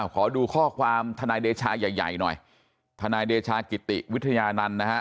ขอดูข้อความทนายเดชาใหญ่ใหญ่หน่อยทนายเดชากิติวิทยานันต์นะฮะ